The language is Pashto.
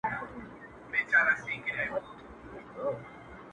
پېغلي څنگه د واده سندري وايي٫